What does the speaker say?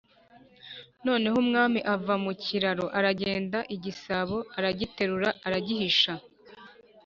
noneho, umwami ava mu kiraro aragenda igisabo aragiterura, aragihisha.